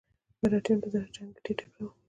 مراتیان په جنګ کې ډیر تکړه وو.